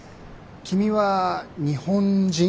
君は日本人？